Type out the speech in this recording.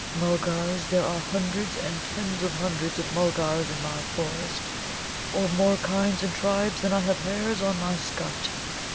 "Mulgars? There are hundreds, and tens of hundreds of Mulgars in my forest, of more kinds and tribes than I have hairs on my scut.